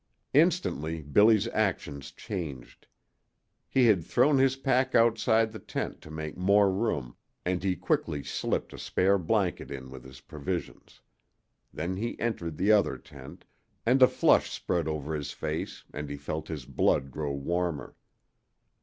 Instantly Billy's actions changed. He had thrown his pack outside the tent to make more room, and he quickly slipped a spare blanket in with his provisions. Then he entered the other tent, and a flush spread over his face, and he felt his blood grow warmer.